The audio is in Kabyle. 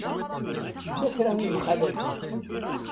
Yella kra i yemxalafen.